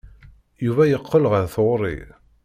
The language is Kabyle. Yuba yeqqel ɣer tɣuri.